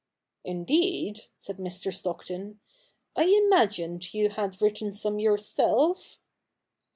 'Indeed?' said Mr. Stockton; 'I imagined you had written some yourself.'